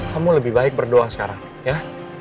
kamu lebih baik berdoa sekarang ya